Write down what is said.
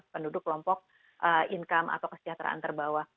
penduduk kelompok income atau kesejahteraan terbawah